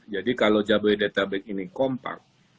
jadi kalau jabodetabek ini kompak